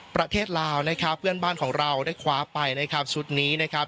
ประเทศลาวนะครับเพื่อนบ้านของเราได้คว้าไปนะครับชุดนี้นะครับ